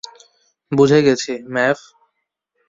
বুঝে গেছি, ম্যাভ।